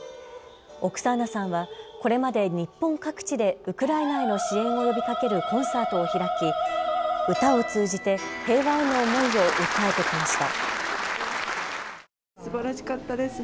オクサーナさんはこれまで日本各地でウクライナへの支援を呼びかけるコンサートを開き歌を通じて平和への思いを訴えてきました。